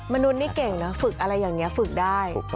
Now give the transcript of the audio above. มนุษย์นี่เก่งนะฝึกอะไรอย่างนี้ฝึกได้